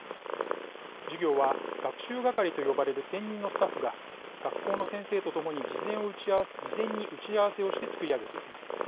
授業は、学習係と呼ばれる専任のスタッフが学校の先生と共に事前に打ち合わせをして作り上げていきます。